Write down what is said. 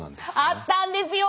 あったんですよ。